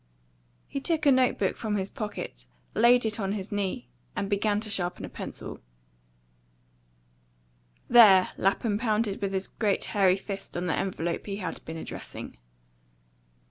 He took a note book from his pocket, laid it on his knee, and began to sharpen a pencil. "There!" Lapham pounded with his great hairy fist on the envelope he had been addressing.